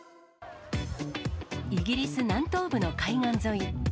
イギリス南東部の海岸沿い。